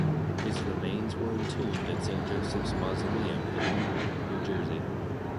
His remains were entombed at Saint Joseph's Mausoleum in Newton, New Jersey.